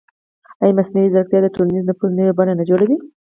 ایا مصنوعي ځیرکتیا د ټولنیز نفوذ نوې بڼې نه جوړوي؟